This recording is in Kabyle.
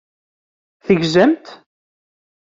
Tegzamt?